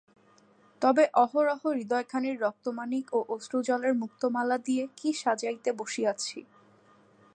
তবে অহরহ হৃদয়খানির রক্তমানিক ও অশ্রুজলের মুক্তামালা দিয়া কী সাজাইতে বসিয়াছি।